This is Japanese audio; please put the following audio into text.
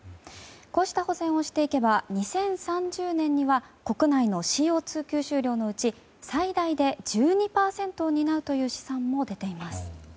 こうした保全をしていけば２０３０年には国内のＣＯ２吸収量のうち最大で１２％を担うという試算も出ています。